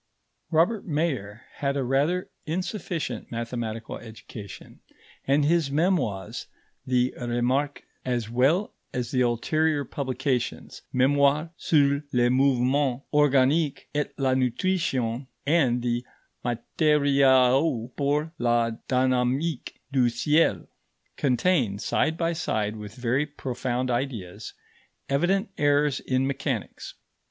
Robert Mayer had a rather insufficient mathematical education, and his Memoirs, the Remarques, as well as the ulterior publications, Mémoire sur le mouvement organique et la nutrition and the Matériaux pour la dynamique du ciel, contain, side by side with very profound ideas, evident errors in mechanics.